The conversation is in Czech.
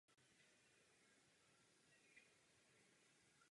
Po bělohorské bitvě se stal kaplí a pomalu chátral.